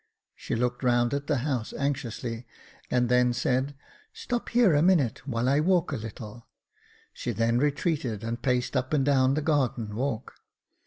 She looked round at the house anxiously, and then said, "Stop here a minute, while I walk a little." She then retreated, and paced up and down the garden walk.